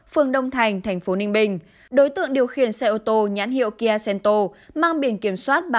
phường đông thành tp ninh bình đối tượng điều khiển xe ô tô nhãn hiệu kia sento mang biển kiểm soát